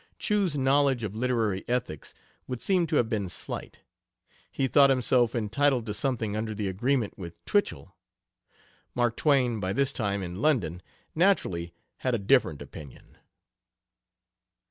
Chew's knowledge of literary ethics would seem to have been slight. He thought himself entitled to something under the agreement with Twichell. Mark Twain, by this time in London, naturally had a different opinion.